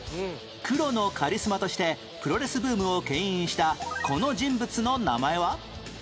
黒のカリスマとしてプロレスブームを牽引したこの人物の名前は？